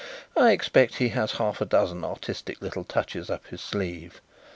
I expect he has half a dozen artistic little touches up his sleeve.